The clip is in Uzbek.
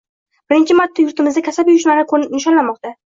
Birinchi marta yurtimizda kasaba uyushmalari kuni nishonlanmoqdang